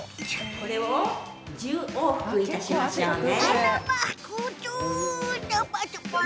これを１０往復いたしましょうね。